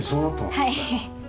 はい。